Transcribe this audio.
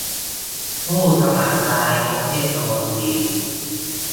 ผู้สมัครนายกเทศมนตรี